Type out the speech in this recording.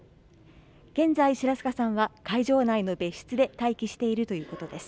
現在、白坂さんは会場内の別室で待機しているということです。